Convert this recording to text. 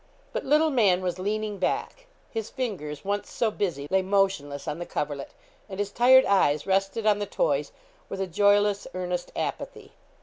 But little man was leaning back; his fingers once so busy, lay motionless on the coverlet, and his tired eyes rested on the toys with a joyless, earnest apathy.